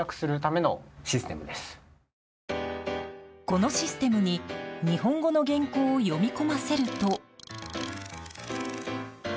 このシステムに日本語の原稿を読み込ませると。